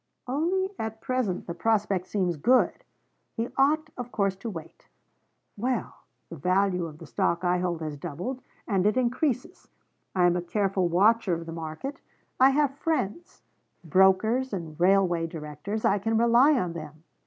Only at present the prospect seems good.... He ought of course to wait. Well, the value of the stock I hold has doubled, and it increases. I am a careful watcher of the market. I have friends brokers and railway Directors. I can rely on them.'